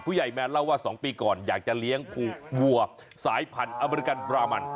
ใหญ่แมนเล่าว่า๒ปีก่อนอยากจะเลี้ยงผูกวัวสายพันธุ์อเมริกันบรามัน